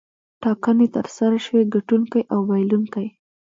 ټاکنې ترسره شوې ګټونکی او بایلونکی.